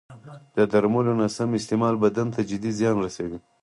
د درملو نه سم استعمال بدن ته جدي زیان رسوي.